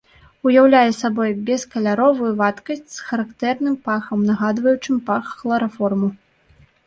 Уяўляе сабой бескаляровую вадкасць з характэрным пахам, нагадваючым пах хлараформу.